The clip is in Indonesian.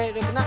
eh udah kena